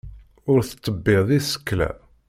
Ur tettebbiḍ isekla.